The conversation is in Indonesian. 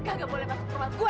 nggak boleh masuk ke rumah gue